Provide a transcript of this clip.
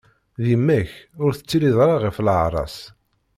D yemma-k, ur teṭṭilliḍ ara ɣef leɛra-s.